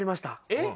えっ？